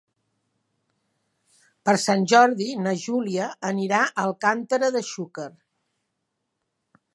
Per Sant Jordi na Júlia anirà a Alcàntera de Xúquer.